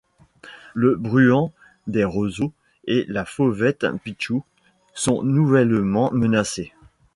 Le Bruant des roseaux et la Fauvette pitchou sont nouvellement menacés.